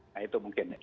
nah itu mungkin ya